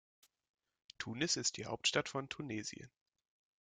Tunis ist die Hauptstadt von Tunesien.